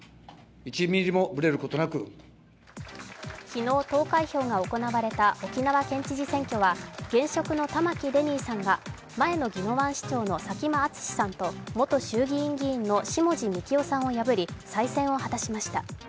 昨日、投開票が行われた沖縄県知事選挙は現職の玉城デニーさんが、前の宜野湾市長の佐喜眞淳さんと元衆議院議員の下地幹郎さんを破り再選を果たしました。